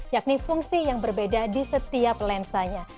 yakni fungsi yang berbeda di setiap lensanya